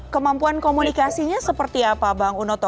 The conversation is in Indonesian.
kemampuan komunikasinya seperti apa bang unoto